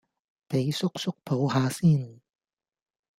俾叔叔抱吓先